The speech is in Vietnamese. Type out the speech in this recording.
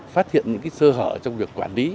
phát hiện những sơ hở trong việc quản lý